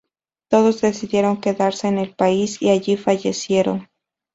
Todos decidieron quedarse en el país y allí fallecieron.